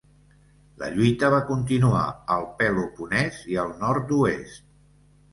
La lluita va continuar al Peloponès i al nord-oest.